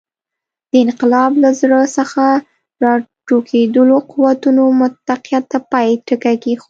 د انقلاب له زړه څخه راټوکېدلو قوتونو مطلقیت ته پای ټکی کېښود.